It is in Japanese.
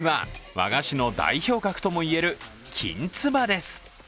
栄えある第１位は、和菓子の代表格ともいえるきんつばです。